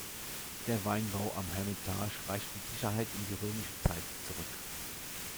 Der Weinbau am Hermitage reicht mit Sicherheit in die römische Zeit zurück.